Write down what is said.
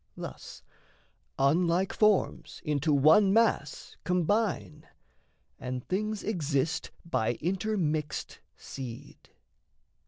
Thus unlike forms into one mass combine, And things exist by intermixed seed.